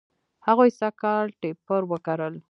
هغوی سږ کال ټیپر و کرل.